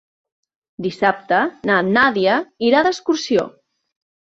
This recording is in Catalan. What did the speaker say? Dissabte na Nàdia irà d'excursió.